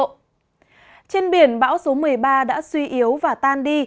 trên biển bão số một mươi ba đã suy yếu và tan đi